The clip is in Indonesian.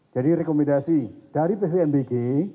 jadi rekomendasi dari bpnbg